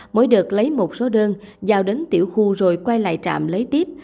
mỗi đợt lấy một số đơn giao đến tiểu khu rồi quay lại trạm lấy tiếp